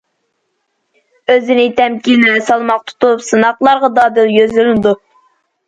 ئۆزىنى تەمكىن ۋە سالماق تۇتۇپ، سىناقلارغا دادىل يۈزلىنىدۇ.